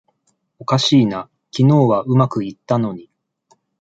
おかしいな、昨日はうまくいったのに